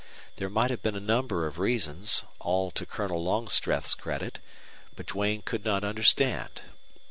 There might have been a number of reasons, all to Colonel Longstreth's credit, but Duane could not understand.